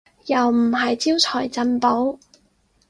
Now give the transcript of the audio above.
又唔係招財進寶